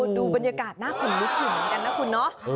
ดูบรรยากาศน่าขนลุกอยู่เหมือนกันนะคุณเนาะ